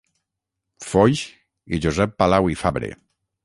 Foix i Josep Palau i Fabre.